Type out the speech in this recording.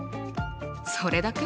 それだけ？